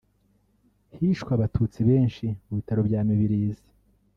Hishwe Abatutsi benshi ku Bitaro bya Mibirizi